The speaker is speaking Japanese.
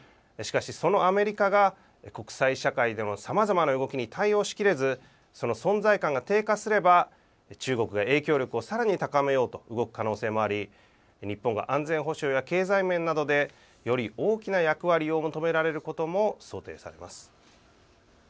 しかし、そのアメリカが国際社会でのさまざまな動きに対応しきれずその存在感が低下すれば中国が影響力をさらに高めようと動く可能性もあり日本が安全保障や経済面などでより大きな役割を求められることも想定されます。